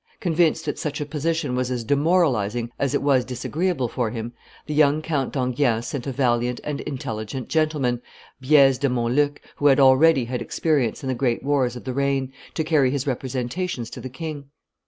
Convinced that such a position was as demoralizing as it was disagreeable for him, the young Count d'Enghien sent a valiant and intelligent gentleman, Blaise de Montluc, who had already had experience in the great wars of the reign, to carry his representations to the king.